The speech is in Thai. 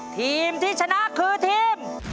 ทีมที่ชนะคือทีม